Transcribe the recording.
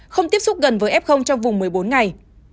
không tiếp xúc gần với f trong vùng một mươi bốn ngày